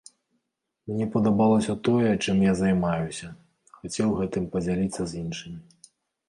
Мне падабалася тое, чым я займаюся, хацеў гэтым падзяліцца з іншымі.